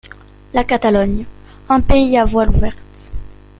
La Catalogne : un pays à voiles ouvertes.